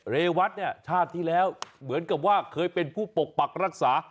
เรวัตเนี่ยชาติที่แล้วเหมือนกับว่าเคยเป็นผู้ปกปักรักษา